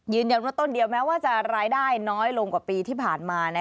ยืนอย่างน้อยต้นเดียวแม้ว่าจะรายได้น้อยลงกว่าปีที่ผ่านมา